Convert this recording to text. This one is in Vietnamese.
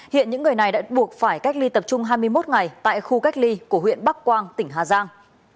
hiện những người này đã buộc phải cách ly tập trung hai mươi một ngày tại khu cách ly của huyện bắc quang tỉnh hà giang